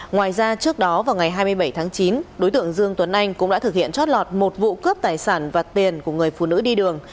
ngoài ra trước đó vào ngày hai mươi bảy tháng chín đối tượng dương tuấn anh cũng đã thực hiện chót lọt một vụ cướp tài sản và tiền của người phụ nữ đi đường